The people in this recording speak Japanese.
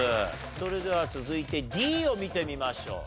それでは続いてＤを見てみましょう。